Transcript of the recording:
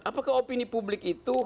apakah opini publik itu